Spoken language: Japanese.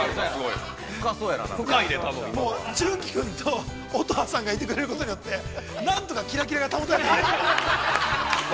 純喜来んと乙葉さんがいてくれることによって何とかキラキラが保たれているから。